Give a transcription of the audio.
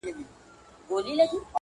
خوګیاڼۍ یې واړه خــوګې د صحرا دي